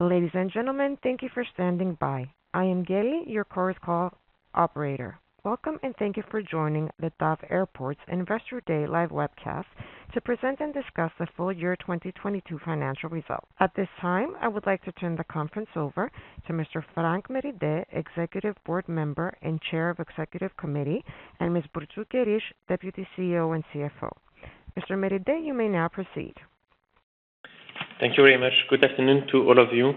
Ladies and gentlemen, thank you for standing by. I am Kelly, your current call operator. Welcome and thank you for joining the TAV Airports Investor Day live webcast to present and discuss the full year 2022 financial results. At this time, I would like to turn the conference over to Mr. Franck Mereyde, Executive Board Member and Chair of Executive Committee, and Ms. Burcu Geriş, Deputy CEO and CFO. Mr. Mereyde, you may now proceed. Thank you very much. Good afternoon to all of you.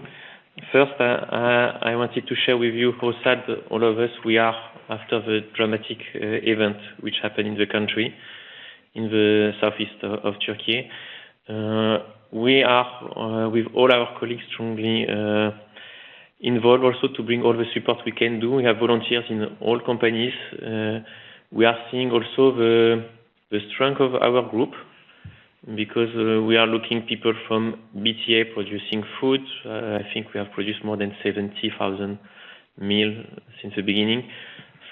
First, I wanted to share with you how sad all of us we are after the dramatic event which happened in the country, in the southeast of Turkey. We are with all our colleagues strongly involved also to bring all the support we can do. We have volunteers in all companies. We are seeing also the strength of our group because we are looking people from BTA producing food. I think we have produced more than 70,000 meal since the beginning.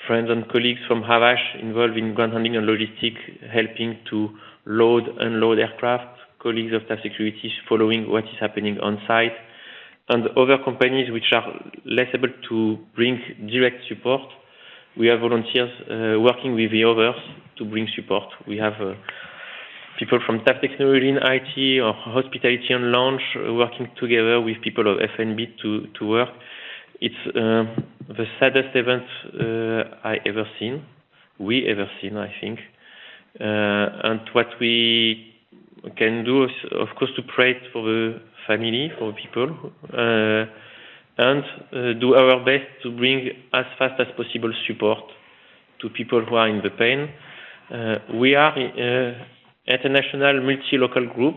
Friends and colleagues from Havas involved in ground handling and logistic, helping to load and load aircraft. Colleagues of TAV Security following what is happening on site and other companies which are less able to bring direct support. We have volunteers working with the others to bring support. We have people from TAV Technologies in IT or Hospitality and Lounge working together with people of F&B to work. It's the saddest event I ever seen. We ever seen, I think. What we can do is, of course, to pray for the family, for the people, and do our best to bring as fast as possible support to people who are in the pain. We are at a national multi-local group.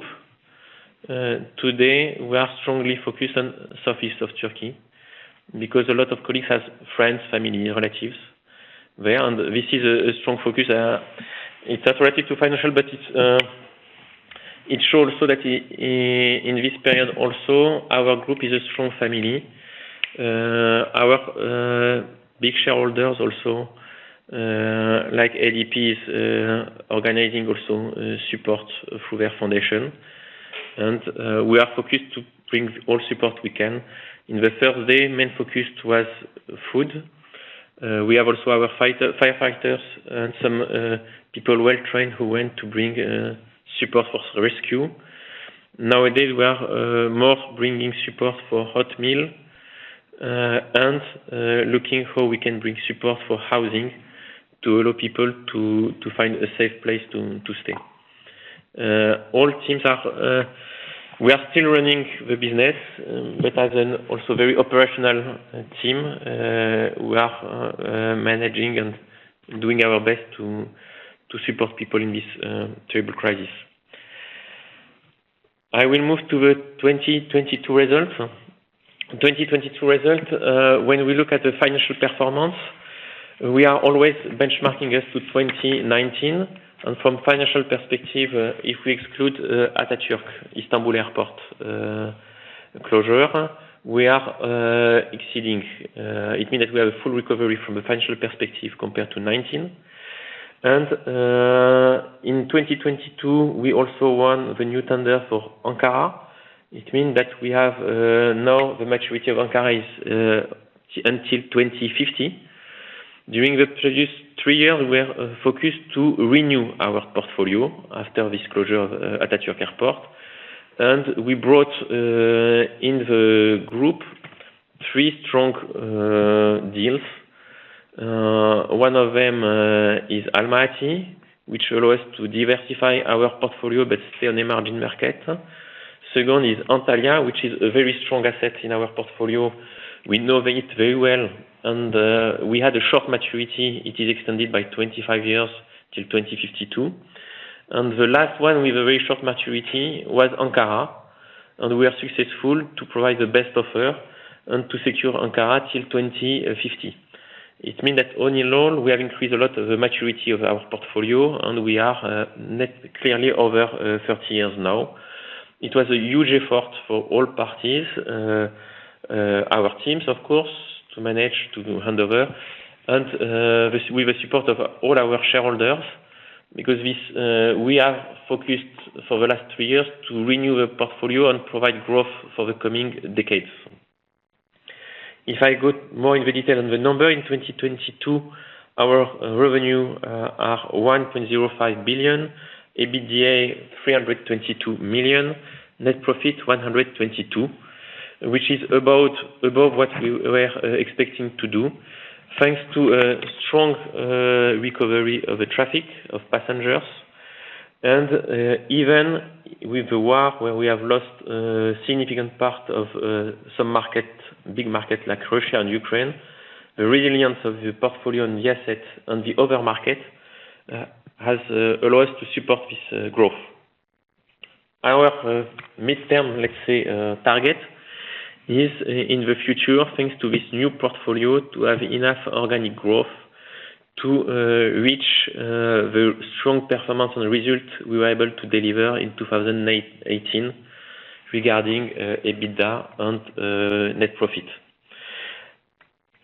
Today, we are strongly focused on southeast of Turkey because a lot of colleagues has friends, family, relatives there, and this is a strong focus. It's unrelated to financial, but it shows so that in this period also our group is a strong family. Our big shareholders also like ADP's organizing also support through their foundation. We are focused to bring all support we can. In the first day, main focus was food. We have also our firefighters and some people well-trained who went to bring support for rescue. Nowadays, we are more bringing support for hot meal and looking how we can bring support for housing to allow people to find a safe place to stay. All teams are. We are still running the business, but as an also very operational team, we are managing and doing our best to support people in this terrible crisis. I will move to the 2022 results. 2022 results. When we look at the financial performance, we are always benchmarking us to 2019. From financial perspective, if we exclude Atatürk Istanbul Airport closure, we are exceeding. It means that we have a full recovery from a financial perspective compared to 2019. In 2022, we also won the new tender for Ankara. It mean that we have now the maturity of Ankara is until 2050. During the previous three years, we are focused to renew our portfolio after this closure of Atatürk Airport. We brought in the group three strong deals. One of them is Almaty, which allow us to diversify our portfolio but stay on a margin market. Second is Antalya, which is a very strong asset in our portfolio. We know it very well. We had a short maturity. It is extended by 25 years till 2052. The last one with a very short maturity was Ankara. We are successful to provide the best offer and to secure Ankara till 2050. It mean that all in all, we have increased a lot the maturity of our portfolio, and we are net clearly over 30 years now. It was a huge effort for all parties, our teams, of course, to manage, to do handover. This with the support of all our shareholders, because this, we are focused for the last three years to renew the portfolio and provide growth for the coming decades. If I go more in the detail on the number, in 2022, our revenue, are 1.05 billion, EBITDA 322 million, net profit 122 million, which is about above what we were expecting to do, thanks to a strong recovery of the traffic of passengers. Even with the war where we have lost significant part of some market, big market like Russia and Ukraine, the resilience of the portfolio and the asset on the other market, has allowed us to support this growth. Our midterm, let's say, target is in the future, thanks to this new portfolio, to have enough organic growth to reach the strong performance and result we were able to deliver in 2018 regarding EBITDA and net profit.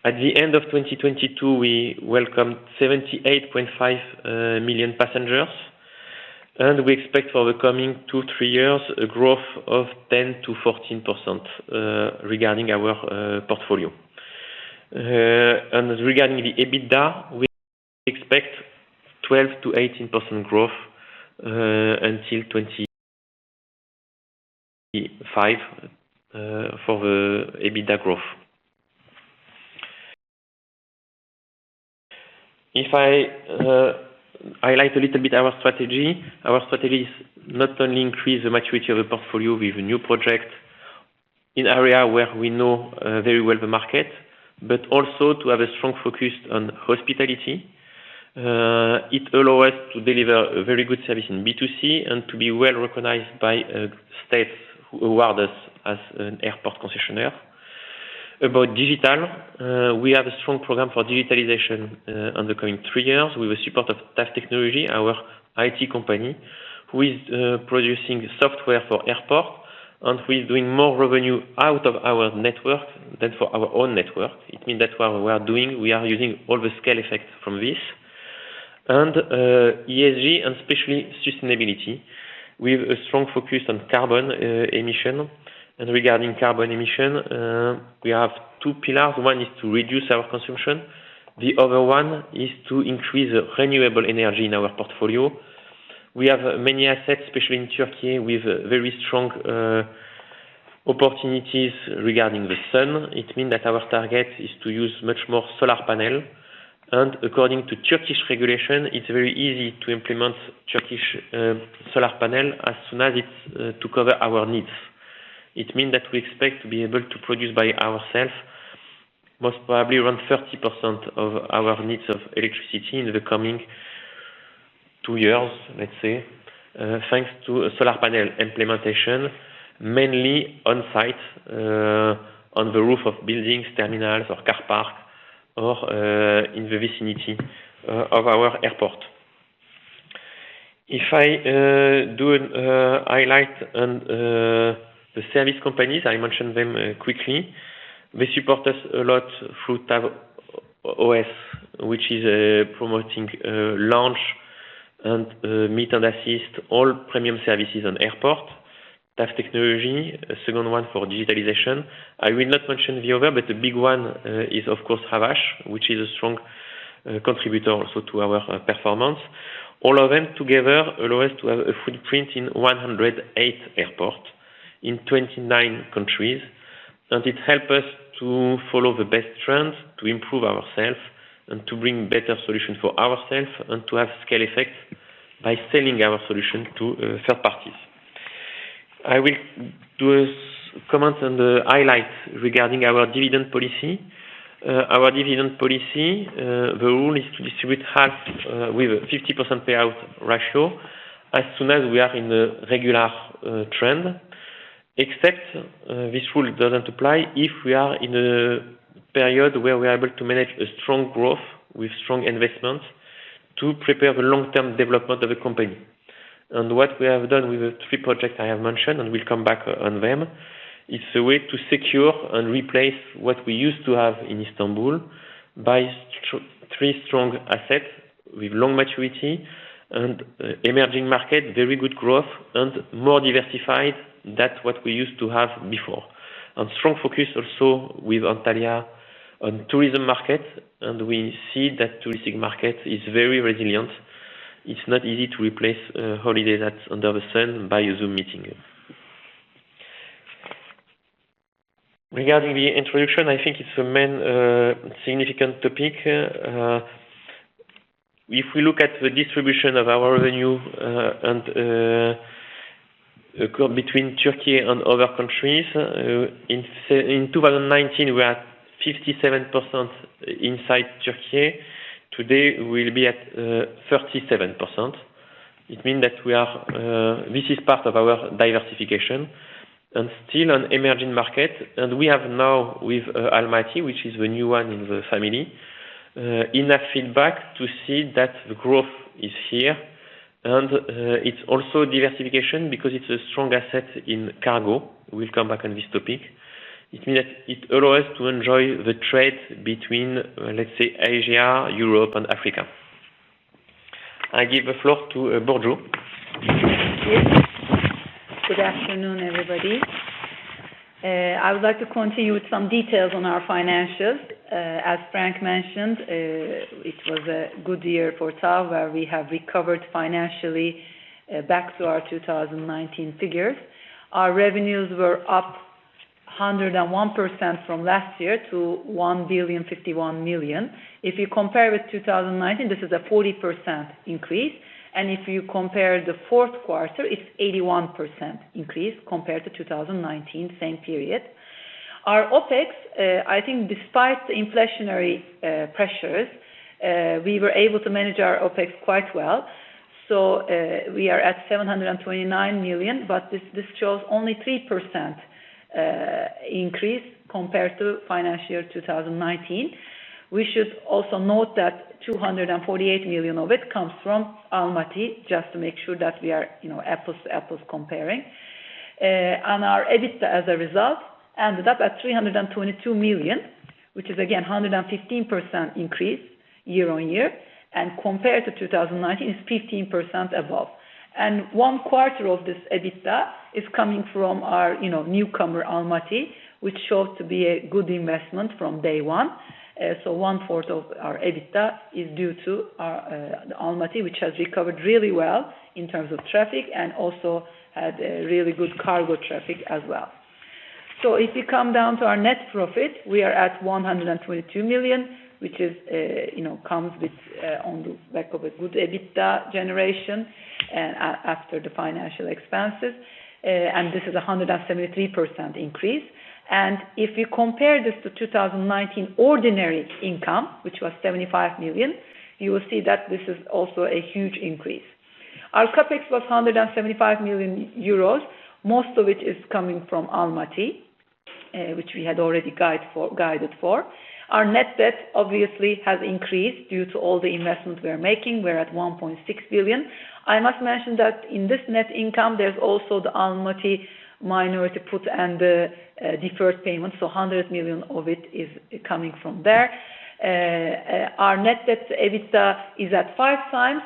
At the end of 2022, we welcomed 78.5 million passengers, and we expect for the coming two, three years a growth of 10%-14% regarding our portfolio. Regarding the EBITDA, we expect 12%-18% growth until 2025 for the EBITDA growth. If I highlight a little bit our strategy, our strategy is not only increase the maturity of the portfolio with new projects in area where we know very well the market, but also to have a strong focus on hospitality. It allow us to deliver a very good service in B2C and to be well-recognized by states who award us as an airport concessionaire. About digital, we have a strong program for digitalization on the coming three years with the support of TAV Technologies, our IT company, who is producing software for airport. We're doing more revenue out of our network than for our own network. It means that what we are doing, we are using all the scale effects from this. ESG and especially sustainability, we have a strong focus on carbon emission. Regarding carbon emission, we have two pillars. One is to reduce our consumption, the other one is to increase renewable energy in our portfolio. We have many assets, especially in Turkey, with very strong opportunities regarding the sun. It means that our target is to use much more solar panel. According to Turkish regulation, it's very easy to implement Turkish solar panel as soon as it's to cover our needs. We expect to be able to produce by ourselves, most probably around 30% of our needs of electricity in the coming two years, let's say, thanks to solar panel implementation, mainly on site, on the roof of buildings, terminals or car park or in the vicinity of our airport. If I do an highlight on the service companies, I mention them quickly. They support us a lot through TAV OS, which is promoting lounge and meet and assist all premium services on airport. TAV Technologies, second one for digitalization. I will not mention the other, but the big one, is of course Havas, which is a strong contributor also to our performance. All of them together allow us to have a footprint in 108 airports in 29 countries. It help us to follow the best trends, to improve ourselves and to bring better solutions for ourselves and to have scale effect by selling our solution to third parties. I will do a comment and highlight regarding our dividend policy. Our dividend policy, the rule is to distribute half with a 50% payout ratio as soon as we are in a regular trend. Except this rule doesn't apply if we are in a period where we are able to manage a strong growth with strong investment to prepare the long-term development of the company. What we have done with the three projects I have mentioned, and we'll come back on them, it's a way to secure and replace what we used to have in Istanbul by three strong assets with long maturity, emerging market, very good growth, and more diversified than what we used to have before. Strong focus also with Antalya on tourism market, and we see that touristic market is very resilient. It's not easy to replace a holiday that's under the sun by a Zoom meeting. Regarding the introduction, I think it's the main significant topic. If we look at the distribution of our revenue and between Turkey and other countries, in 2019, we are 57% inside Turkey. Today, we'll be at 37%. It means that we are, this is part of our diversification and still an emerging market. We have now with, Almaty, which is the new one in the family, enough feedback to see that the growth is here. It's also diversification because it's a strong asset in cargo. We'll come back on this topic. It means that it allow us to enjoy the trade between, let's say, Asia, Europe and Africa. I give the floor to, Burcu. Thank you. Good afternoon, everybody. I would like to continue with some details on our financials. As Franck mentioned, it was a good year for TAV. We have recovered financially, back to our 2019 figures. Our revenues were up 101% from last year to 1.051 billion. If you compare with 2019, this is a 40% increase. If you compare the fourth quarter, it's 81% increase compared to 2019, same period. Our OpEx, I think despite the inflationary pressures, we were able to manage our OpEx quite well. We are at 729 million, but this shows only 3% increase compared to financial year 2019. We should also note that 248 million of it comes from Almaty, just to make sure that we are, you know, apples to apples comparing. Our EBITDA as a result ended up at 322 million, which is again 115% increase year on year. Compared to 2019 is 15% above. One quarter of this EBITDA is coming from our, you know, newcomer, Almaty, which showed to be a good investment from day one. One fourth of our EBITDA is due to our Almaty, which has recovered really well in terms of traffic and also had a really good cargo traffic as well. If you come down to our net profit, we are at 122 million, which, you know, comes on the back of a good EBITDA generation after the financial expenses. This is a 173% increase. If you compare this to 2019 ordinary income, which was 75 million, you will see that this is also a huge increase. Our CapEx was 175 million euros, most of which is coming from Almaty, which we had already guided for. Our net debt obviously has increased due to all the investments we are making. We're at 1.6 billion. I must mention that in this net income, there's also the Almaty minority put and deferred payments. 100 million of it is coming from there. Our net debt to EBITDA is at five times.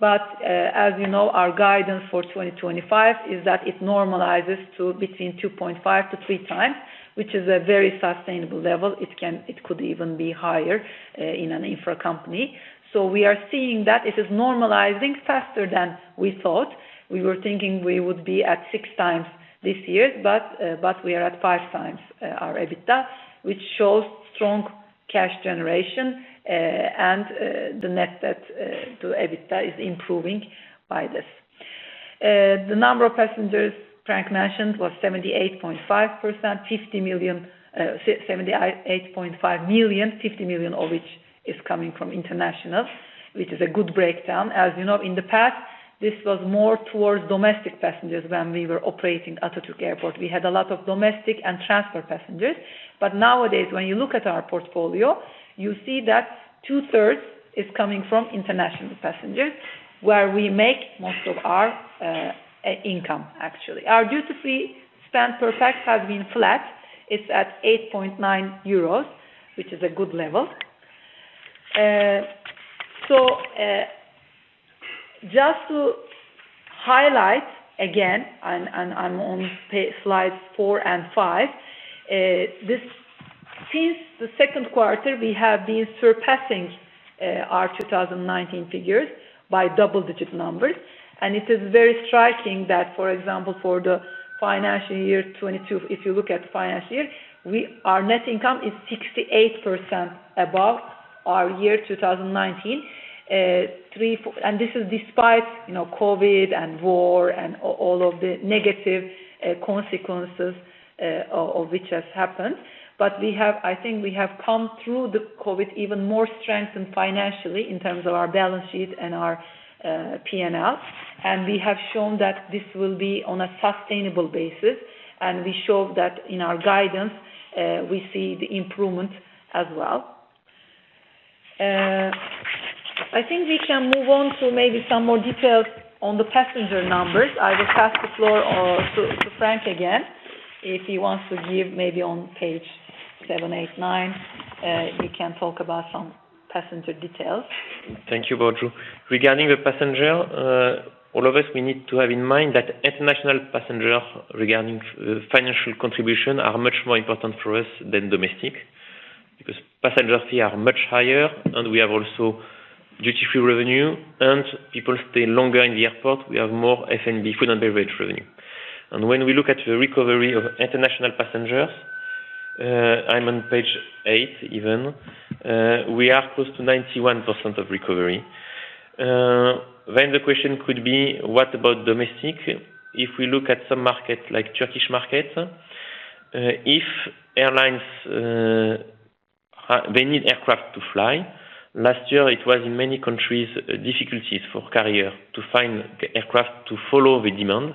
As you know, our guidance for 2025 is that it normalizes to between 2.5 to three times, which is a very sustainable level. It could even be higher in an infra company. We are seeing that it is normalizing faster than we thought. We were thinking we would be at six times this year, but we are at five times our EBITDA. Which shows strong cash generation, and the net debt to EBITDA is improving by this. The number of passengers Franck mentioned was 78.5%, 50 million, 78.5 million, 50 million of which is coming from international, which is a good breakdown. As you know, in the past, this was more towards domestic passengers when we were operating Ataturk Airport. We had a lot of domestic and transfer passengers. Nowadays, when you look at our portfolio, you see that 2/3 is coming from international passengers, where we make most of our income, actually. Our duty-free spend per pax has been flat. It's at 8.9 euros, which is a good level. Just to highlight again on slides four and five, this, since the second quarter, we have been surpassing our 2019 figures by double-digit numbers. It is very striking that, for example, for the financial year 2022, if you look at financial year, we, our net income is 68% above our year 2019. Three, four. This is despite, you know, COVID and war and all of the negative consequences of which has happened. We have, I think we have come through the COVID even more strengthened financially in terms of our balance sheet and our PNL. We have shown that this will be on a sustainable basis, and we showed that in our guidance, we see the improvement as well. I think we can move on to maybe some more details on the passenger numbers. I will pass the floor to Franck again, if he wants to give maybe on page seven, eight, nine, he can talk about some passenger details. Thank you, Burcu. Regarding the passenger, all of us, we need to have in mind that international passenger, regarding financial contribution, are much more important for us than domestic because passenger fee are much higher and we have also duty-free revenue and people stay longer in the airport. We have more F&B, food and beverage revenue. When we look at the recovery of international passengers, I'm on page eight even, we are close to 91% of recovery. The question could be: What about domestic? If we look at some markets like Turkish markets, if airlines, They need aircraft to fly. Last year, it was in many countries, difficulties for carrier to find the aircraft to follow the demand.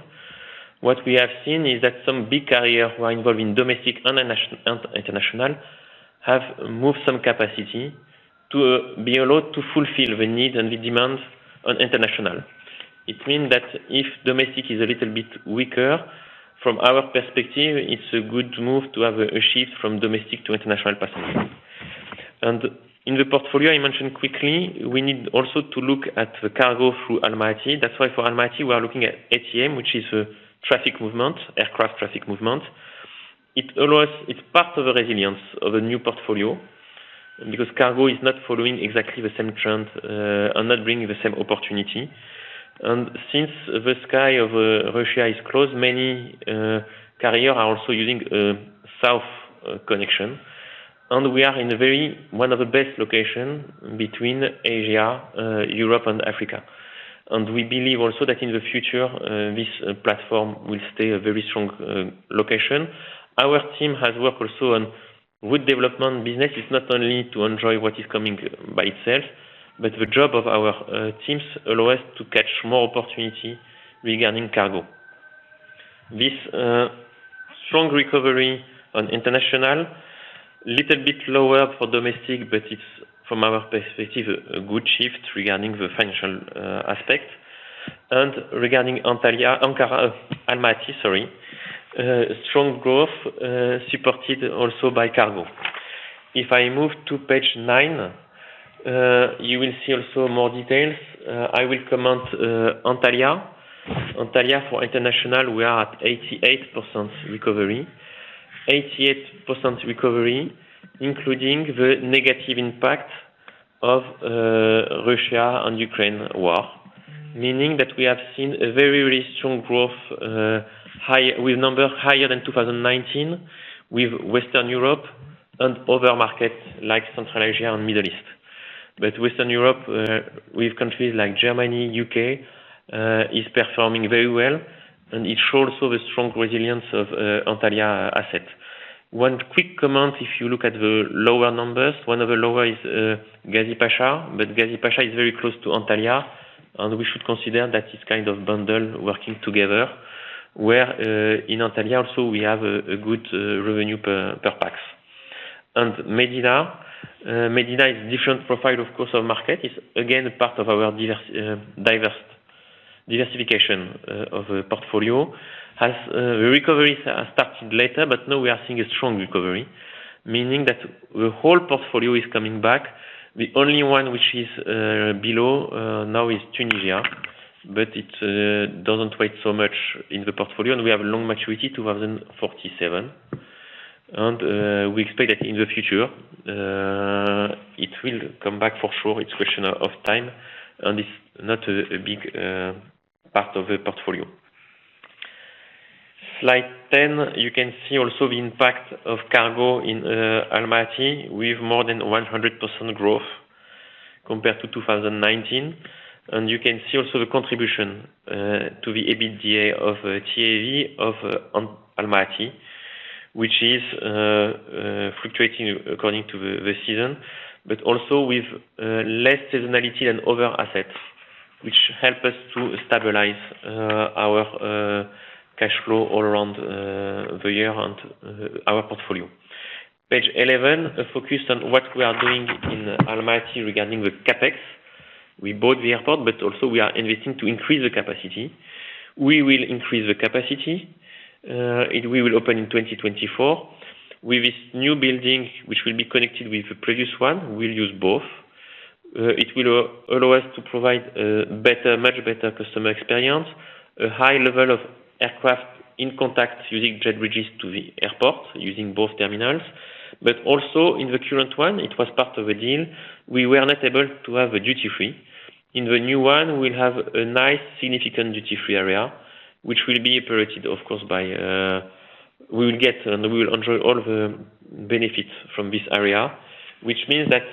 What we have seen is that some big carriers who are involved in domestic and international have moved some capacity to be allowed to fulfill the needs and the demands on international. It means that if domestic is a little bit weaker, from our perspective, it's a good move to have a shift from domestic to international passengers. In the portfolio, I mentioned quickly, we need also to look at the cargo through Almaty. That's why for Almaty, we are looking at ATM, which is a traffic movement, aircraft traffic movement. It's part of the resilience of a new portfolio because cargo is not following exactly the same trend and not bringing the same opportunity. Since the sky over Russia is closed, many carrier are also using south connection. We are in a very, one of the best location between Asia, Europe and Africa. We believe also that in the future, this platform will stay a very strong location. Our team has worked also on good development business. It's not only to enjoy what is coming by itself, but the job of our teams allow us to catch more opportunity regarding cargo. Strong recovery on international. Little bit lower for domestic, but it's from our perspective, a good shift regarding the financial aspect. Regarding Antalya, Ankara, Almaty, sorry, strong growth supported also by cargo. If I move to page nine, you will see also more details. I will comment Antalya. Antalya for international, we are at 88% recovery. 88% recovery, including the negative impact of Russia and Ukraine war. We have seen a very, very strong growth with number higher than 2019 with Western Europe and other markets like Central Asia and Middle East. Western Europe, with countries like Germany, U.K., is performing very well, and it shows also the strong resilience of Antalya asset. One quick comment, if you look at the lower numbers, one of the lower is Gazipaşa, but Gazipaşa is very close to Antalya, and we should consider that it's kind of bundled working together, where in Antalya also we have a good revenue per pax. Medina is different profile of course of market, is again, part of our diversification of the portfolio. Has the recovery has started later, but now we are seeing a strong recovery. Meaning that the whole portfolio is coming back. The only one which is below now is Tunisia, but it doesn't weight so much in the portfolio, and we have long maturity, 2047. We expect that in the future, it will come back for sure, it's question of time, and it's not a big part of the portfolio. Slide 10, you can see also the impact of cargo in Almaty with more than 100% growth compared to 2019. You can see also the contribution to the EBITDA of TAV of Almaty, which is fluctuating according to the season, but also with less seasonality than other assets. Which help us to stabilize our cash flow all around the year and our portfolio. Page 11, a focus on what we are doing in Almaty regarding the CapEx. We bought the airport, but also we are investing to increase the capacity. We will increase the capacity. It will open in 2024. With this new building, which will be connected with the previous one, we'll use both. It will allow us to provide better, much better customer experience. A high level of aircraft in contact using jet bridges to the airport, using both terminals. Also in the current one, it was part of a deal. We were not able to have a duty-free. In the new one, we'll have a nice significant duty-free area, which will be operated of course by, we will get and we will enjoy all the benefits from this area. Which means that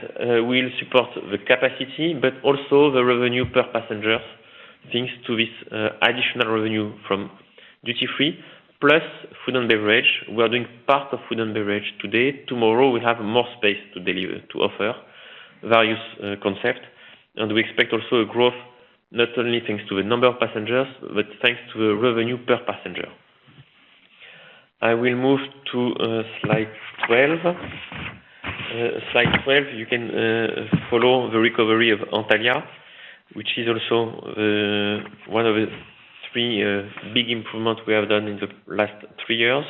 we'll support the capacity, but also the revenue per passengers, thanks to this additional revenue from duty-free, plus food and beverage. We are doing part of food and beverage today. Tomorrow, we have more space to deliver, to offer various concept. We expect also a growth, not only thanks to the number of passengers, but thanks to the revenue per passenger. I will move to slide 12. Slide 12, you can follow the recovery of Antalya, which is also one of the three big improvements we have done in the last three years.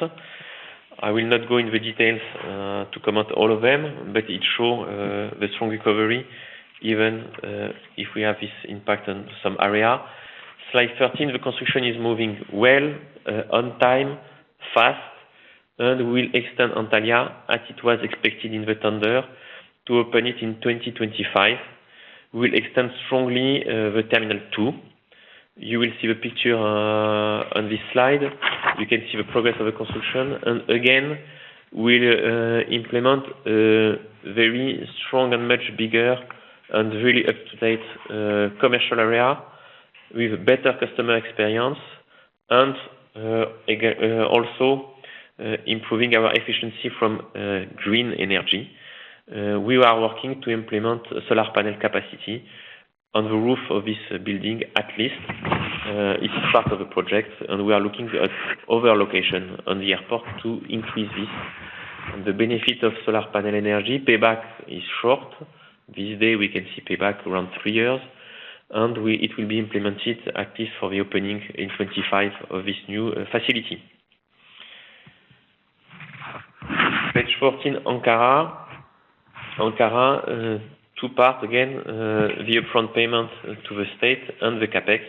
I will not go into details to comment all of them, but it show the strong recovery even if we have this impact on some area. Slide 13, the construction is moving well, on time, fast, and we'll extend Antalya as it was expected in the tender to open it in 2025. We'll extend strongly the Terminal two. You will see the picture on this slide. You can see the progress of the construction. Again, we'll implement a very strong and much bigger and really up-to-date commercial area with better customer experience and also improving our efficiency from green energy. We are working to implement solar panel capacity on the roof of this building, at least. It's part of the project, and we are looking at other location on the airport to increase this. The benefit of solar panel energy payback is short. This day, we can see payback around three years. It will be implemented active for the opening in 25 of this new facility. Page 14, Ankara. Ankara, two part again. The upfront payment to the state and the CapEx.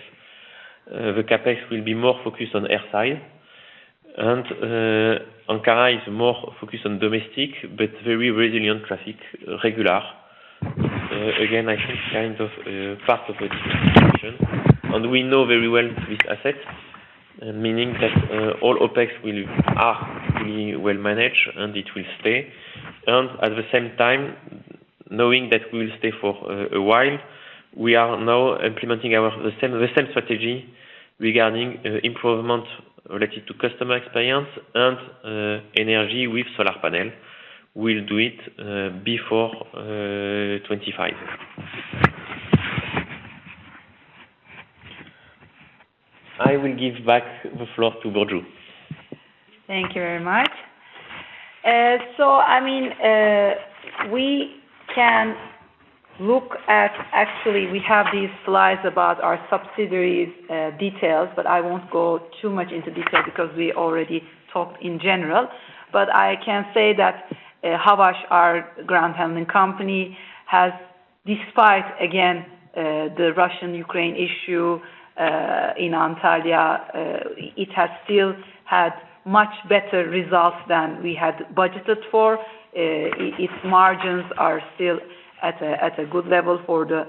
The CapEx will be more focused on airside. Ankara is more focused on domestic, but very resilient traffic, regular. Again, I think kind of part of a diversification. We know very well this asset, meaning that all OpEx are really well managed, and it will stay. At the same time, knowing that we will stay for a while, we are now implementing our the same strategy regarding improvement related to customer experience and energy with solar panel. We'll do it before 25. I will give back the floor to Burcu. Thank you very much. I mean, we can look at actually we have these slides about our subsidiaries, details, but I won't go too much into detail because we already talked in general. I can say that Havas, our ground handling company has despite, again, the Russian-Ukraine issue, in Antalya, it has still had much better results than we had budgeted for. Its margins are still at a good level for the,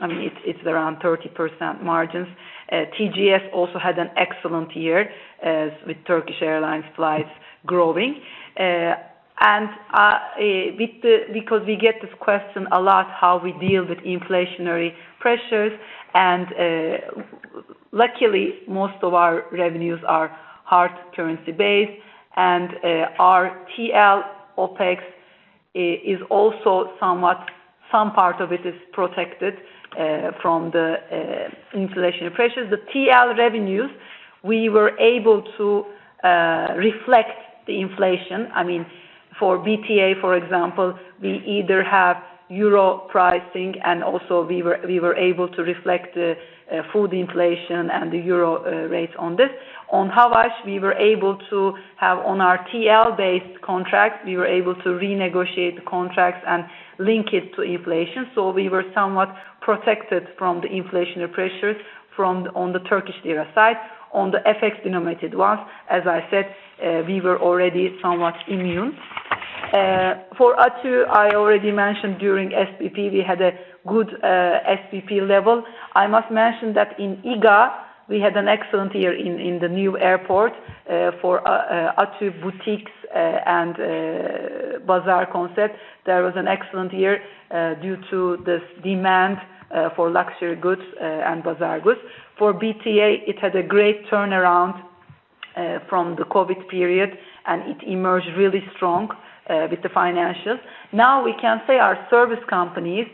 I mean it's around 30% margins. TGS also had an excellent year as with Turkish Airlines flights growing. Because we get this question a lot, how we deal with inflationary pressures. Luckily, most of our revenues are hard currency based, our TL OpEx is also somewhat, some part of it is protected from the inflation pressures. The TL revenues, we were able to reflect the inflation. I mean, for BTA, for example, we either have euro pricing and also we were able to reflect the food inflation and the euro rates on this. On Havas, we were able to have on our TL-based contracts, we were able to renegotiate the contracts and link it to inflation. We were somewhat protected from the inflationary pressures from on the Turkish lira side. On the FX-denominated ones, as I said, we were already somewhat immune. For ATÜ, I already mentioned during SBP, we had a good SBP level. I must mention that in iGA we had an excellent year in the new airport for ATÜ boutiques and bazaar concept. There was an excellent year due to this demand for luxury goods and bazaar goods. For BTA, it had a great turnaround from the COVID period, and it emerged really strong with the financials. Now, we can say our service companies,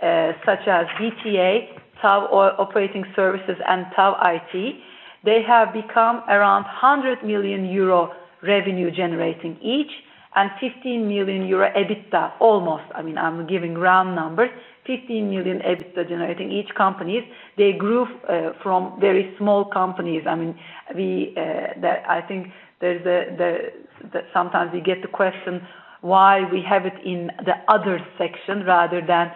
such as BTA, TAV Operation Services and TAV IT, they have become around 100 million euro revenue generating each and 15 million euro EBITDA almost. I mean, I'm giving round numbers. 15 million EBITDA generating each companies. They grew from very small companies. I mean, we, I think there's the sometimes we get the question why we have it in the other section rather than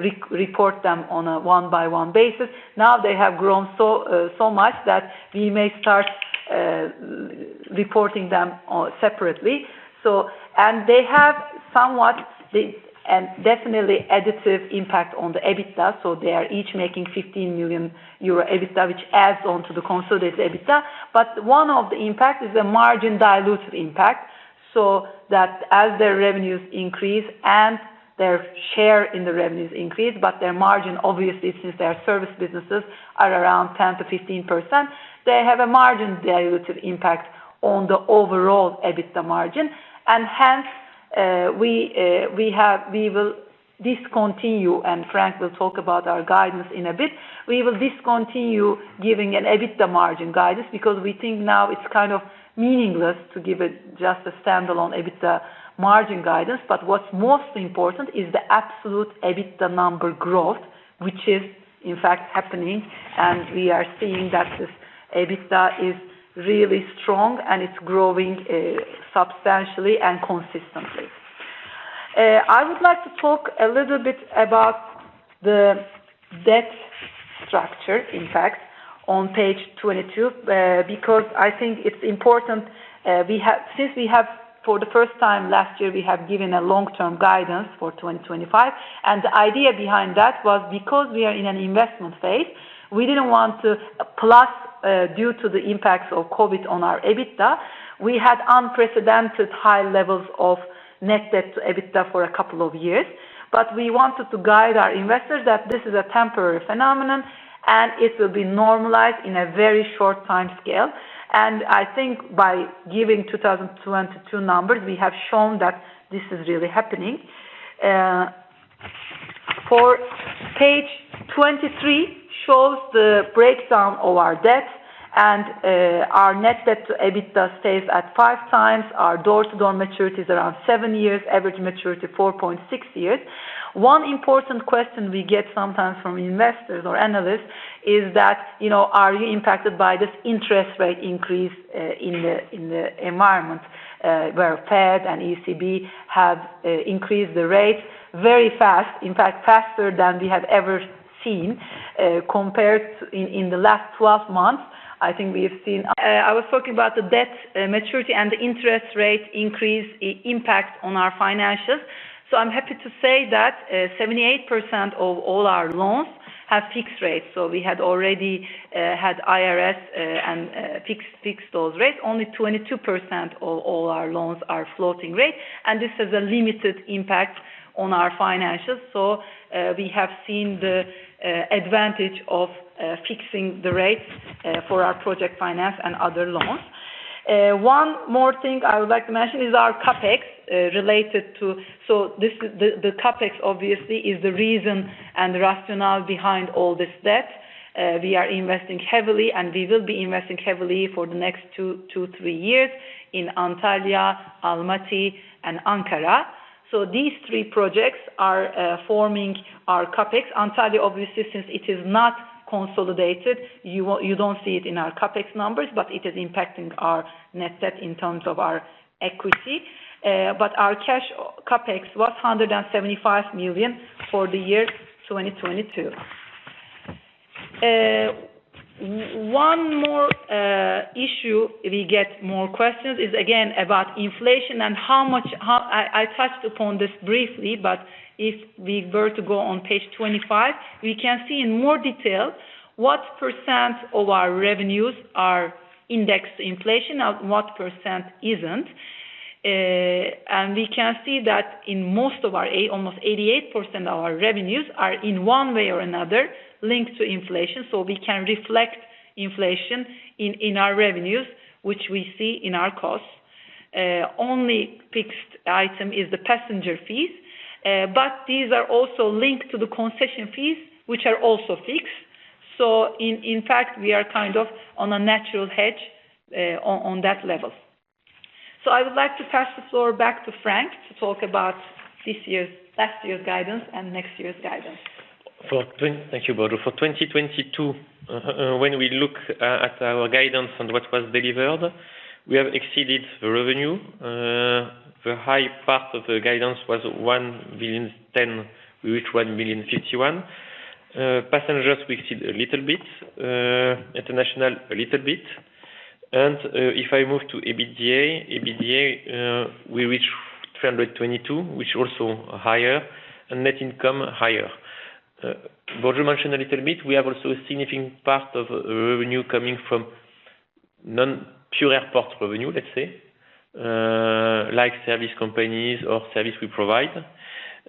re-report them on a one-by-one basis. Now they have grown so much that we may start reporting them on separately. They have somewhat the definitely additive impact on the EBITDA. They are each making 15 million euro EBITDA, which adds on to the consolidated EBITDA. One of the impact is the margin dilutive impact, so that as their revenues increase and their share in the revenues increase, but their margin obviously since they are service businesses, are around 10%-15%, they have a margin dilutive impact on the overall EBITDA margin. Hence, we will discontinue and Franck will talk about our guidance in a bit. We will discontinue giving an EBITDA margin guidance because we think now it's kind of meaningless to give it just a standalone EBITDA margin guidance. What's most important is the absolute EBITDA number growth, which is in fact happening. We are seeing that this EBITDA is really strong and it's growing substantially and consistently. I would like to talk a little bit about the debt structure, in fact, on page 22, because I think it's important, since we have for the first time last year, we have given a long-term guidance for 2025. The idea behind that was because we are in an investment phase, we didn't want to plus, due to the impacts of COVID on our EBITDA, we had unprecedented high levels of net debt to EBITDA for a couple of years. We wanted to guide our investors that this is a temporary phenomenon and it will be normalized in a very short timescale. I think by giving 2022 numbers, we have shown that this is really happening. For page 23 shows the breakdown of our debt, our net debt to EBITDA stays at 5x our door to door maturities around seven years. Average maturity 4.6 years. One important question we get sometimes from investors or analysts is that, you know, are you impacted by this interest rate increase in the environment where Fed and ECB have increased the rates very fast, in fact, faster than we have ever seen compared in the last 12 months. I think we have seen, I was talking about the debt maturity and the interest rate increase impact on our financials. I'm happy to say that 78% of all our loans have fixed rates. We had already had IRS and fixed those rates. Only 22% of all our loans are floating rate, and this has a limited impact on our financials. We have seen the advantage of fixing the rates for our project finance and other loans. One more thing I would like to mention is our CapEx related to... This, the CapEx obviously is the reason and the rationale behind all this debt. We are investing heavily, and we will be investing heavily for the next two, three years in Antalya, Almaty, and Ankara. These three projects are forming our CapEx. Antalya, obviously, since it is not consolidated, you don't see it in our CapEx numbers, but it is impacting our net debt in terms of our equity. Our cash CapEx was 175 million for the year 2022. One more issue we get more questions is again, about inflation and how much. I touched upon this briefly, but if we were to go on page 25, we can see in more detail what % of our revenues are indexed to inflation and what % isn't. We can see that in most of our almost 88% of our revenues are, in one way or another, linked to inflation. We can reflect inflation in our revenues, which we see in our costs. Only fixed item is the passenger fees. These are also linked to the concession fees, which are also fixed. In fact, we are kind of on a natural hedge on that level. I would like to pass the floor back to Franck to talk about last year's guidance and next year's guidance. Thank you, Burcu. For 2022, when we look at our guidance and what was delivered, we have exceeded the revenue. The high part of the guidance was 1.01 billion, we reached 1.051 billion. Passengers we exceed a little bit, international a little bit. If I move to EBITDA, we reached 322 million, which also higher, and net income higher. Burcu mentioned a little bit, we have also a significant part of revenue coming from non-pure airport revenue, let's say, like service companies or service we provide.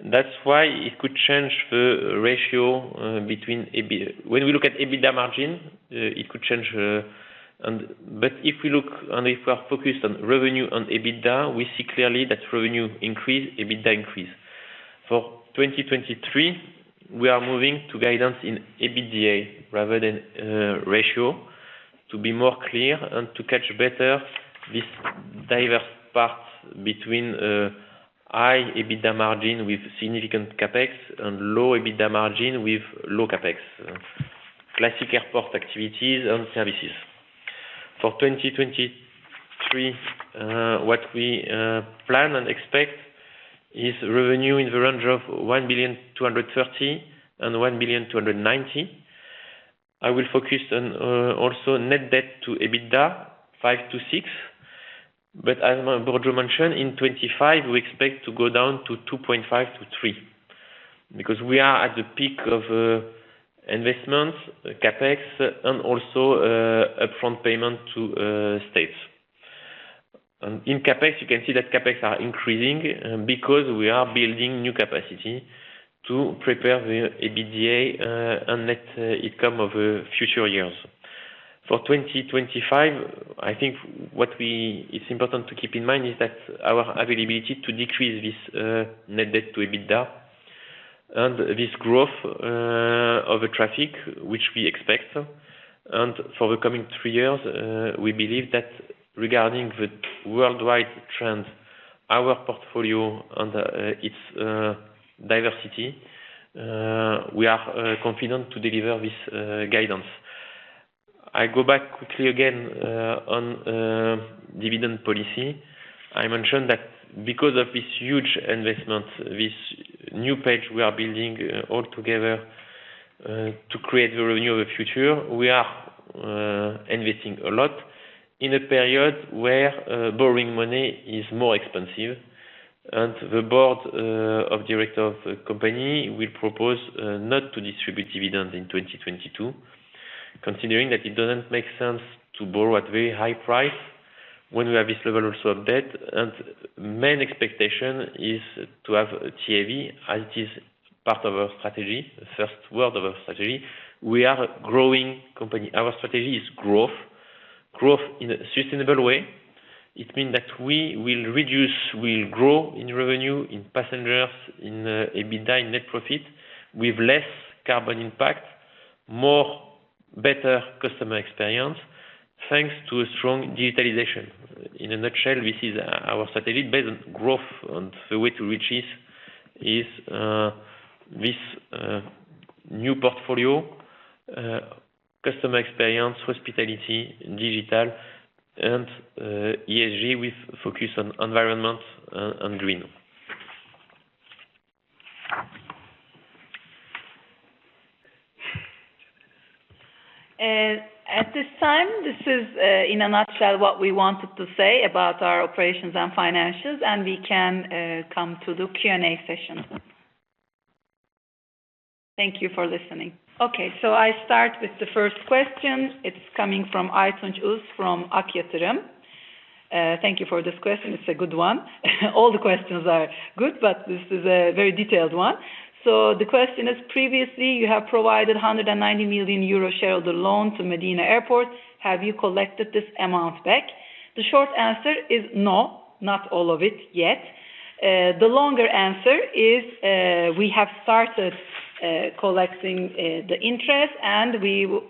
That's why it could change the ratio between when we look at EBITDA margin, it could change. If we look and if we are focused on revenue and EBITDA, we see clearly that revenue increase, EBITDA increase. For 2023, we are moving to guidance in EBITDA rather than ratio to be more clear and to catch better this diverse part between high EBITDA margin with significant CapEx and low EBITDA margin with low CapEx, classic airport activities and services. For 2023, what we plan and expect is revenue in the range of 1.23 billion-1.29 billion. I will focus on also net debt to EBITDA five to six. As Burcu mentioned, in 2025 we expect to go down to 2.5 to three, because we are at the peak of investments, CapEx and also upfront payment to states. In CapEx, you can see that CapEx are increasing because we are building new capacity to prepare the EBITDA and net income of future years. For 2025, I think what it's important to keep in mind is that our availability to decrease this net debt to EBITDA and this growth of the traffic which we expect. For the coming three years, we believe that regarding the worldwide trend, our portfolio and its diversity, we are confident to deliver this guidance. I go back quickly again on dividend policy. I mentioned that because of this huge investment, this new page we are building all together to create the revenue of the future, we are investing a lot in a period where borrowing money is more expensive. The board of director of the company will propose not to distribute dividend in 2022, considering that it doesn't make sense to borrow at very high price when we have this level also of debt. Main expectation is to have TAV as it is part of our strategy, first word of our strategy. We are a growing company. Our strategy is growth in a sustainable way. It means that we will reduce, we'll grow in revenue, in passengers, in EBITDA net profit with less carbon impact, more better customer experience, thanks to a strong digitalization. In a nutshell, this is our strategy based on growth, and the way to reach this is this new portfolio, customer experience, hospitality, digital and ESG with focus on environment and green. At this time, this is in a nutshell what we wanted to say about our operations and financials, we can come to the Q&A session. Thank you for listening. I start with the first question. It's coming from Aytunç Uz from Ak Yatırım. Thank you for this question. It's a good one. All the questions are good, this is a very detailed one. The question is, previously you have provided 190 million euro shareholder loan to Medina Airport. Have you collected this amount back? The short answer is no, not all of it, yet. The longer answer is, we have started collecting the interest,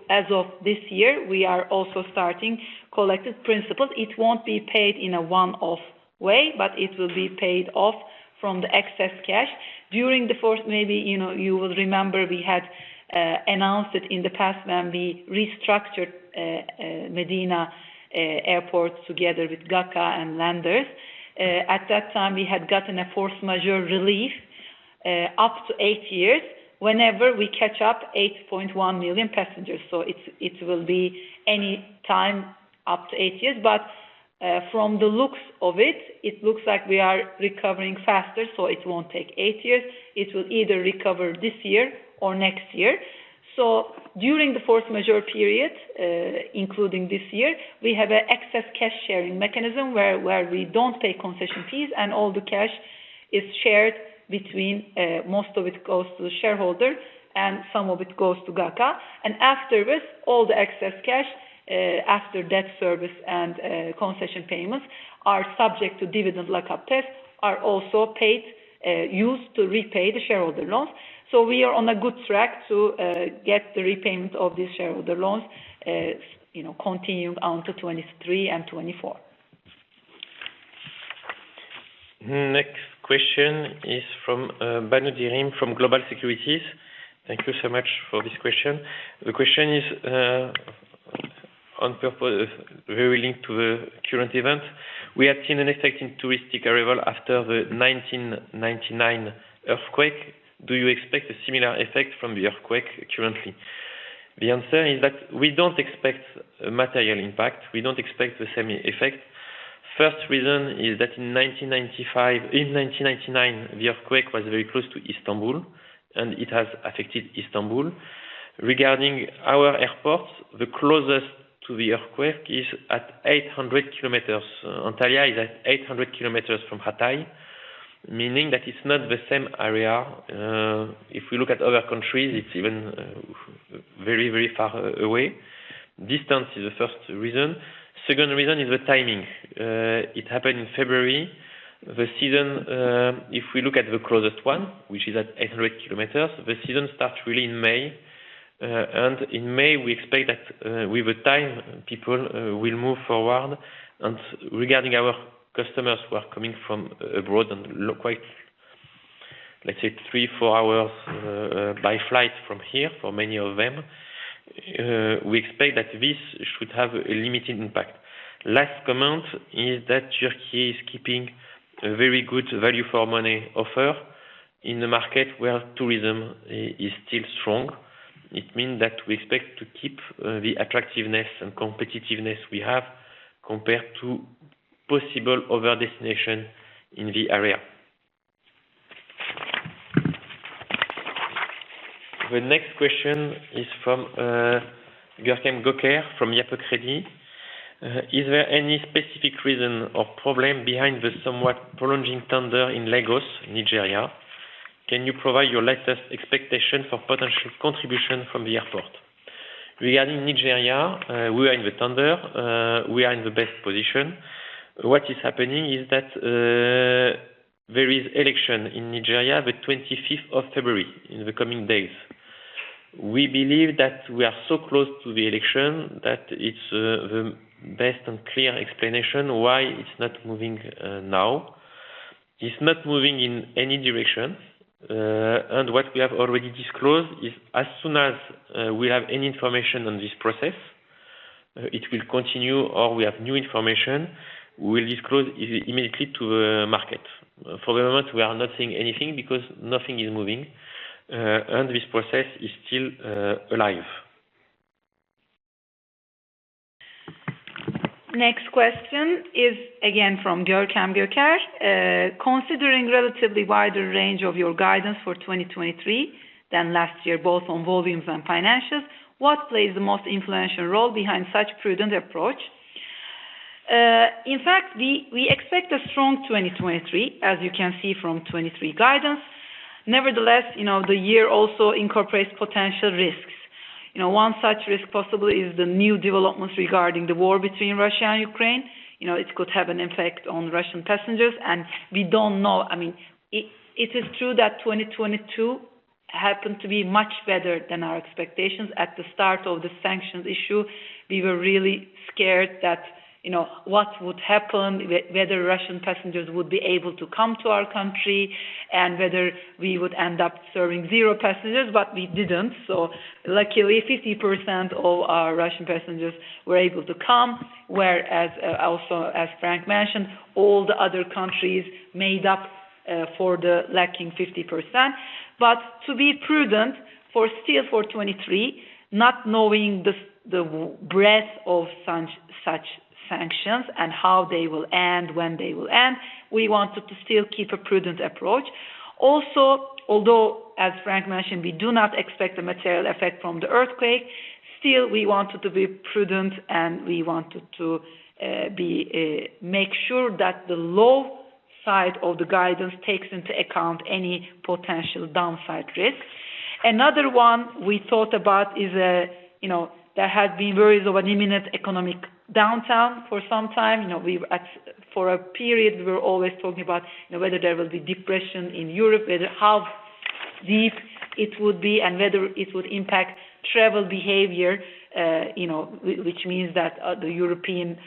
as of this year, we are also starting collected principles. It won't be paid in a one-off way, it will be paid off from the excess cash. During the fourth, maybe, you know, you will remember we had announced it in the past when we restructured Medina Airport together with GACA and lenders. At that time, we had gotten a force majeure relief up to eight years whenever we catch up 8.1 million passengers. It, it will be any time up to eight years. From the looks of it looks like we are recovering faster, so it won't take eight years. It will either recover this year or next year. During the force majeure period, including this year, we have an excess cash sharing mechanism where we don't pay concession fees and all the cash is shared between most of it goes to the shareholder and some of it goes to GACA. After this, all the excess cash, after debt service and concession payments are subject to dividend lock-up test are also paid, used to repay the shareholder loans. We are on a good track to get the repayment of these shareholder loans, you know, continue on to 2023 and 2024. Next question is from Banu Dirim from Global Securities. Thank you so much for this question. The question is on purpose, very linked to the current event. We had seen an effect in touristic arrival after the 1999 earthquake. Do you expect a similar effect from the earthquake currently? The answer is that we don't expect a material impact. We don't expect the same effect. First reason is that in 1999, the earthquake was very close to Istanbul, and it has affected Istanbul. Regarding our airports, the closest to the earthquake is at 800 kilometers. Antalya is at 800 kilometers from Hatay, meaning that it's not the same area. If we look at other countries, it's even very, very far away. Distance is the first reason. Second reason is the timing. It happened in February. The season, if we look at the closest one, which is at 800 km, the season starts really in May. In May, we expect that with time people will move forward. Regarding our customers who are coming from abroad and quite, let's say three, four hours by flight from here, for many of them, we expect that this should have a limited impact. Last comment is that Turkey is keeping a very good value for money offer in the market where tourism is still strong. It means that we expect to keep the attractiveness and competitiveness we have compared to possible other destination in the area. The next question is from Görkem Göker from Yapı Kredi. Is there any specific reason or problem behind the somewhat prolonging tender in Lagos, Nigeria? Can you provide your latest expectation for potential contribution from the airport? Regarding Nigeria, we are in the tender. We are in the best position. What is happening is that there is election in Nigeria, the 25th of February, in the coming days. We believe that we are so close to the election, that it's the best and clear explanation why it's not moving now. It's not moving in any direction. What we have already disclosed is as soon as we have any information on this process, it will continue or we have new information, we'll disclose immediately to the market. For the moment, we are not saying anything because nothing is moving, and this process is still alive. Next question is again from Görkem Göker. Considering relatively wider range of your guidance for 2023 than last year, both on volumes and financials, what plays the most influential role behind such prudent approach? In fact, we expect a strong 2023, as you can see from 23 guidance. Nevertheless, you know, the year also incorporates potential risks. You know, one such risk possible is the new developments regarding the war between Russia and Ukraine. You know, it could have an effect on Russian passengers, and we don't know. I mean, it is true that 2022 happened to be much better than our expectations. At the start of the sanctions issue, we were really scared that, you know, what would happen, whether Russian passengers would be able to come to our country and whether we would end up serving zero passengers, but we didn't. Luckily, 50% of our Russian passengers were able to come, whereas, also, as Franck mentioned, all the other countries made up for the lacking 50%. To be prudent for still for 2023, not knowing the breadth of such sanctions and how they will end, when they will end, we wanted to still keep a prudent approach. Although, as Franck mentioned, we do not expect a material effect from the earthquake. Still we wanted to be prudent, and we wanted to be, make sure that the low side of the guidance takes into account any potential downside risk. Another one we thought about is, you know, there had been worries of an imminent economic downtown for some time. You know, we've For a period, we were always talking about, you know, whether there will be depression in Europe, whether how deep it would be, and whether it would impact travel behavior. You know, which means that the European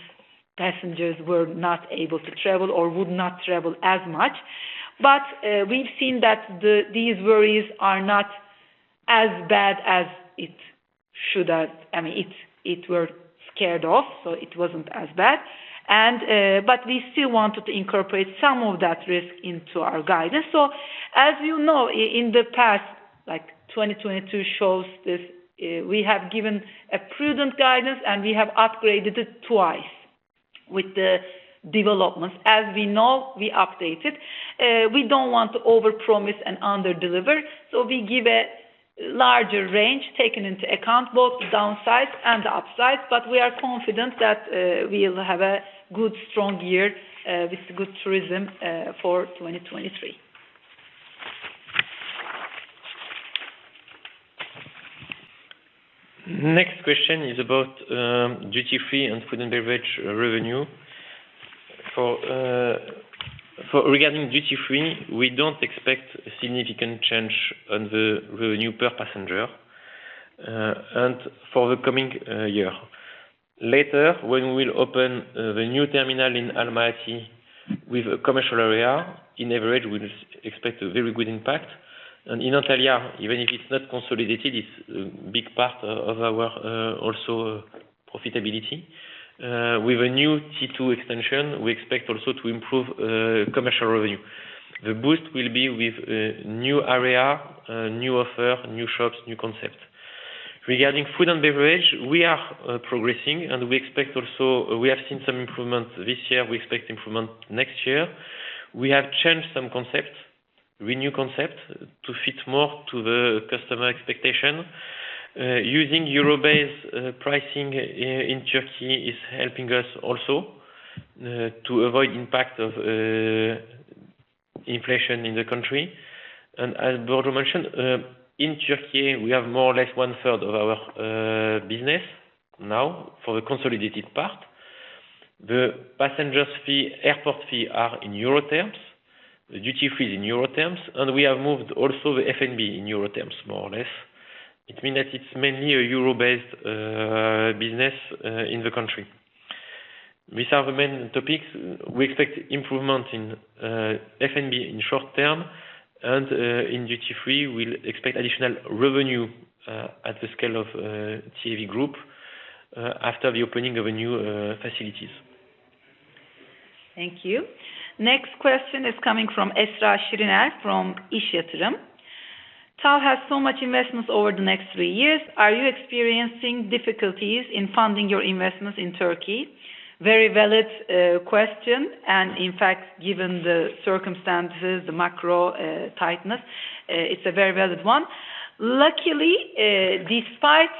passengers were not able to travel or would not travel as much. We've seen that these worries are not as bad as it should have. I mean, it were scared off, so it wasn't as bad. We still wanted to incorporate some of that risk into our guidance. As you know, in the past, like 2020 shows this, we have given a prudent guidance, and we have upgraded it twice with the developments. As we know, we update it. We don't want to overpromise and underdeliver, so we give a larger range, taking into account both downsides and the upsides. We are confident that, we'll have a good strong year, with good tourism, for 2023. Next question is about duty-free and food and beverage revenue. Regarding duty-free, we don't expect a significant change on the revenue per passenger for the coming year. Later, when we'll open the new terminal in Almaty with a commercial area, in average we'll expect a very good impact. In Antalya, even if it's not consolidated, it's a big part of our also profitability. With a new T-two extension, we expect also to improve commercial revenue. The boost will be with new area, new offer, new shops, new concept. Regarding food and beverage, we are progressing, and we expect also we have seen some improvements this year. We expect improvement next year. We have changed some concepts, renew concept to fit more to the customer expectation. Using euro-based pricing in Turkey is helping us also to avoid impact of inflation in the country. As Burcu mentioned, in Turkey we have more or less one-third of our business now for the consolidated part. The passengers fee, airport fee are in euro terms, the duty-free is in euro terms, and we have moved also the F&B in euro terms, more or less. It means that it's mainly a euro-based business in the country. These are the main topics. We expect improvement in F&B in short term and in duty-free we'll expect additional revenue at the scale of TAV Group after the opening of a new facilities. Thank you. Next question is coming from Esra Şiriner from İş Yatırım. TAV has so much investments over the next three years. Are you experiencing difficulties in funding your investments in Turkey? Very valid question. In fact, given the circumstances, the macro tightness, it's a very valid one. Luckily, despite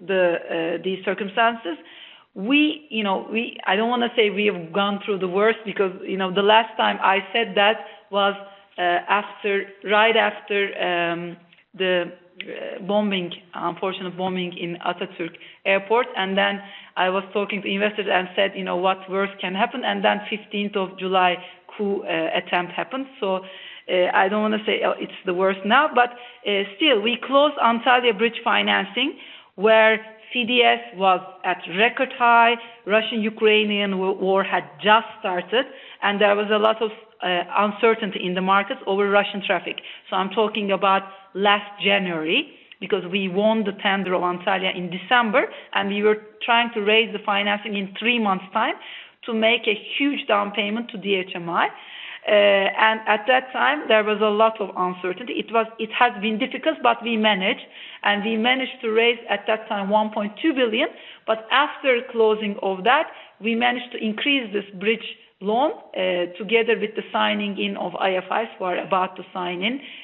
these circumstances, we, you know, I don't wanna say we have gone through the worst because, you know, the last time I said that was after, right after the bombing, unfortunate bombing in Atatürk Airport. Then I was talking to investors and said, "You know, what worse can happen?" Then fifteenth of July coup attempt happened. I don't wanna say, oh, it's the worst now. Still, we closed Antalya bridge financing where CDS was at record high. Russian-Ukrainian War had just started. There was a lot of uncertainty in the market over Russian traffic. I'm talking about last January, because we won the tender of Antalya in December. We were trying to raise the financing in three months' time to make a huge down payment to DHMİ. At that time there was a lot of uncertainty. It has been difficult. We managed, and we managed to raise, at that time, 1.2 billion. After closing of that, we managed to increase this bridge loan, together with the signing in of IFIs, who are about to sign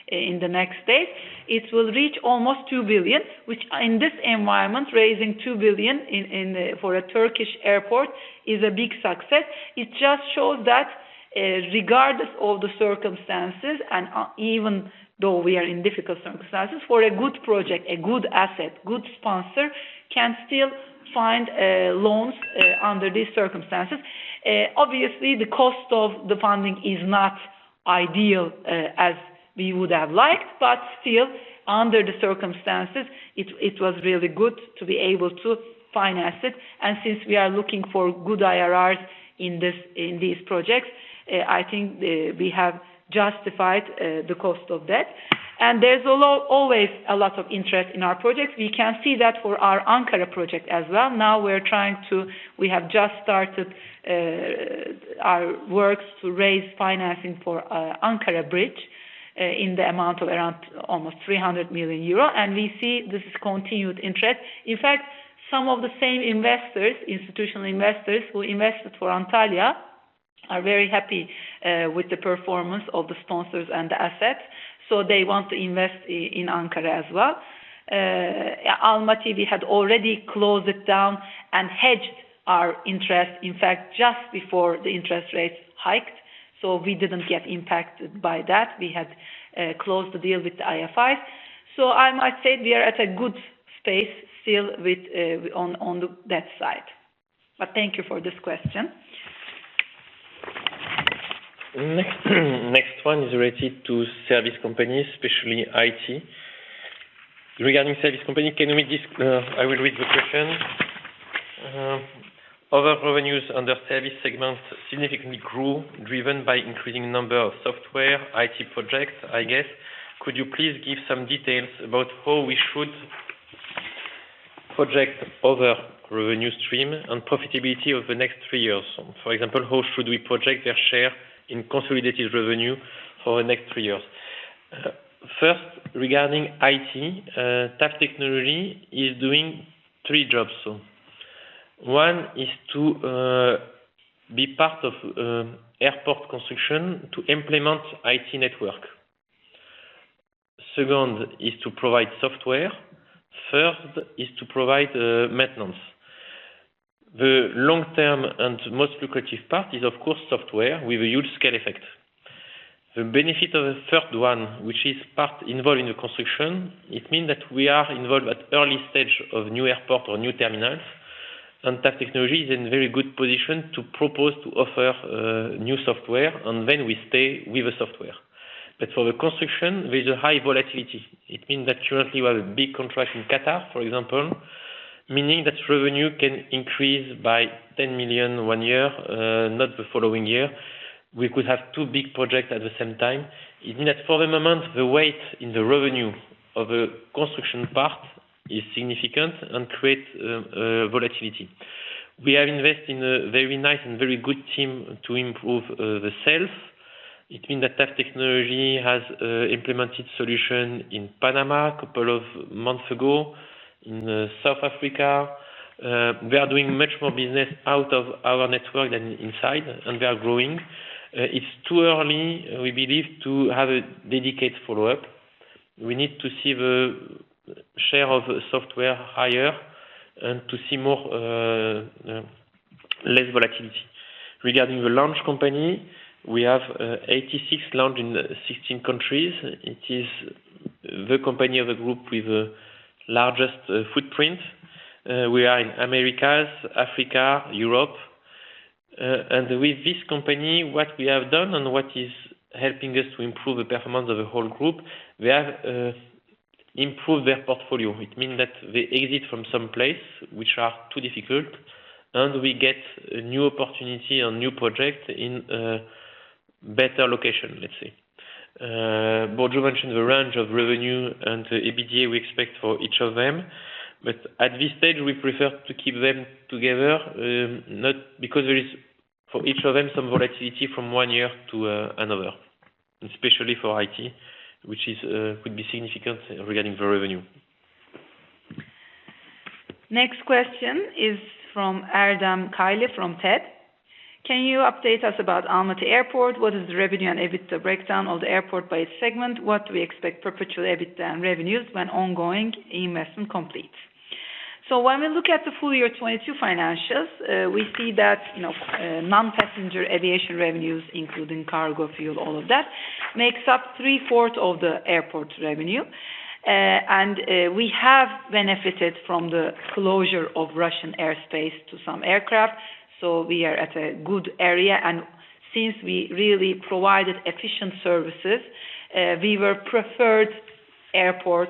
in the next days. It will reach almost 2 billion, which in this environment, raising 2 billion in the for a Turkish airport is a big success. It just shows that, regardless of the circumstances, and even though we are in difficult circumstances, for a good project, a good asset, good sponsor can still find loans under these circumstances. Obviously the cost of the funding is not ideal, as we would have liked, but still, under the circumstances, it was really good to be able to finance it. Since we are looking for good IRRs in this, in these projects, I think we have justified the cost of that. There's always a lot of interest in our projects. We can see that for our Ankara project as well. Now we have just started our works to raise financing for Ankara bridge, in the amount of around almost 300 million euro. We see this continued interest. In fact, some of the same investors, institutional investors who invested for Antalya are very happy with the performance of the sponsors and the assets, they want to invest in Ankara as well. Almaty, we had already closed it down and hedged our interest, in fact, just before the interest rates hiked. We didn't get impacted by that. We had closed the deal with the IFIs. I might say we are at a good space still with, on that side. Thank you for this question. Next, next one is related to service companies, especially IT. Regarding service company, I will read the question. Other revenues under service segments significantly grew, driven by increasing number of software IT projects, I guess. Could you please give some details about how we should project other revenue stream and profitability over the next three years? For example, how should we project their share in consolidated revenue for the next three years? First, regarding IT, TAV Technologies is doing three jobs. One is to be part of airport construction to implement IT network. Two is to provide software. Third is to provide maintenance. The long-term and most lucrative part is, of course, software with a huge scale effect. The benefit of the third one, which is part involved in the construction, it means that we are involved at early stage of new airport or new terminals. TAV Technologies is in very good position to propose to offer new software, and then we stay with the software. For the construction, there's a high volatility. It means that currently we have a big contract in Qatar, for example, meaning that revenue can increase by 10 million one year, not the following year. We could have two big projects at the same time. It means for the moment, the weight in the revenue of the construction part is significant and creates volatility. We are investing a very nice and very good team to improve the sales. It means that TAV Technologies has implemented solution in Panama a couple of months ago, in South Africa. We are doing much more business out of our network than inside, and we are growing. It's too early, we believe, to have a dedicated follow-up. We need to see the share of software higher and to see more less volatility. Regarding the lounge company, we have 86 lounge in 16 countries. It is the company of the group with the largest footprint. We are in Americas, Africa, Europe. With this company, what we have done and what is helping us to improve the performance of the whole group, we have improved their portfolio. It means that they exit from some place which are too difficult. We get a new opportunity or new project in a better location, let's say. Burcu mentioned the range of revenue and the EBITDA we expect for each of them. At this stage, we prefer to keep them together, not because there is for each of them some volatility from one year to another, especially for IT, which is could be significant regarding the revenue. Next question is from Erdem Kaylı from TEB. Can you update us about Almaty Airport? What is the revenue and EBITDA breakdown of the airport by segment? What do we expect perpetual EBITDA and revenues when ongoing investment complete? When we look at the full year 2022 financials, we see that, you know, non-passenger aviation revenues, including cargo, fuel, all of that, makes up three-fourth of the airport revenue. We have benefited from the closure of Russian airspace to some aircraft, so we are at a good area. Since we really provided efficient services, we were preferred airport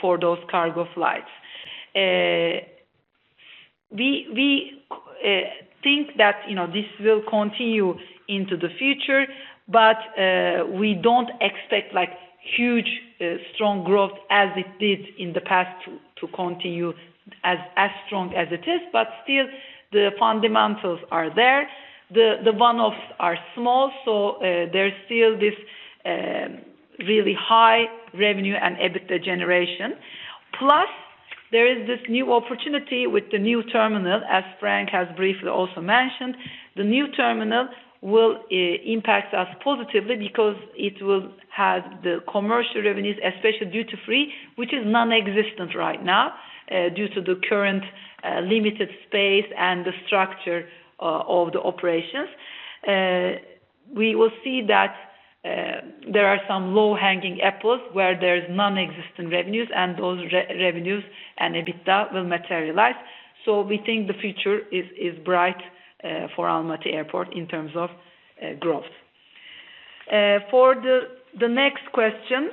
for those cargo flights. We think that, you know, this will continue into the future, but we don't expect huge strong growth as it did in the past to continue as strong as it is. Still, the fundamentals are there. The one-offs are small. There's still this really high revenue and EBITDA generation. There is this new opportunity with the new terminal, as Franck has briefly also mentioned. The new terminal will impact us positively because it will have the commercial revenues, especially duty-free, which is nonexistent right now, due to the current limited space and the structure of the operations. We will see that there are some low-hanging apples where there's nonexistent revenues, and those revenues and EBITDA will materialize. We think the future is bright for Almaty Airport in terms of growth. For the next question,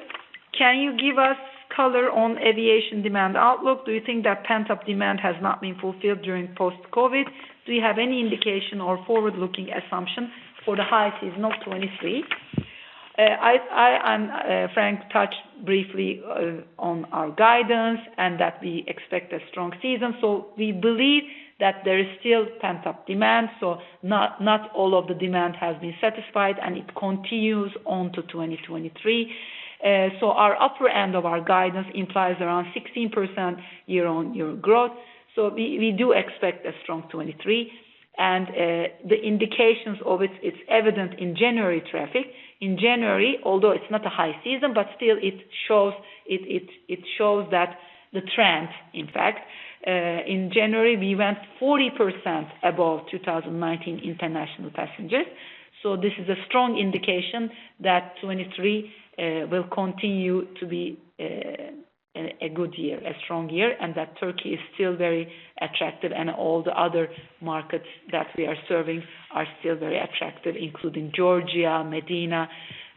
can you give us color on aviation demand outlook? Do you think that pent-up demand has not been fulfilled during post-COVID? Do you have any indication or forward-looking assumption for the high season of 2023? Franck touched briefly on our guidance and that we expect a strong season. We believe that there is still pent-up demand, not all of the demand has been satisfied, and it continues on to 2023. Our upper end of our guidance implies around 16% year-over-year growth. We do expect a strong 2023. The indications of it's evident in January traffic. In January, although it's not a high season, but still it shows that the trend, in fact. In January, we went 40% above 2019 international passengers. This is a strong indication that 2023 will continue to be a good year, a strong year, and that Turkey is still very attractive and all the other markets that we are serving are still very attractive, including Georgia, Medina.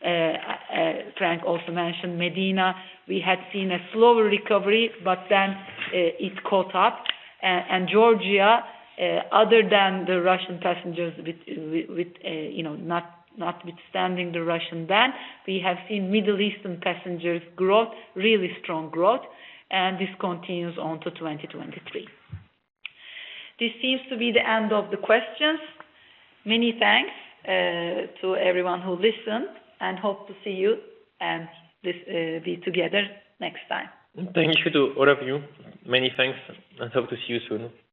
Franck also mentioned Medina. We had seen a slower recovery, but then it caught up. And Georgia, other than the Russian passengers with, you know, not, notwithstanding the Russian ban, we have seen Middle Eastern passengers growth, really strong growth, and this continues on to 2023. This seems to be the end of the questions. Many thanks to everyone who listened, and hope to see you and this be together next time. Thank you to all of you. Many thanks, and hope to see you soon.